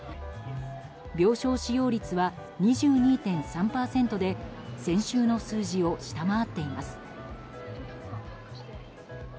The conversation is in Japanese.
病床使用率は２２．３％で先週の数字を下回っています。